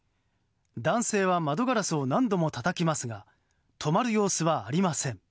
男性は窓ガラスを何度もたたきますが止まる様子はありません。